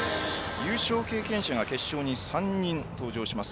優勝を経験者が３人登場します。